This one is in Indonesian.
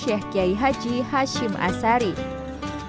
ketika di pondok pesantren para santri menunggu waktu berbuka puasa